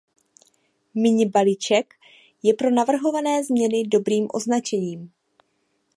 Minibaliček je pro navrhované změny dobrým označením.